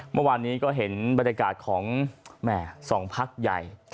เมื่อวานนี้ก็เห็นบรรยากาศของสองพักใหญ่